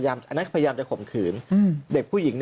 อันนี้พยายามจะขมขืน